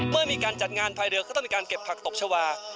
เมื่อมีการจัดงานภายเรือก็ต้องมีการเก็บผักตบชาวา